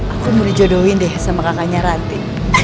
aku mau dijodohin deh sama kakaknya ranti